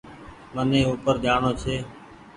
مني او پر جآڻو ڇي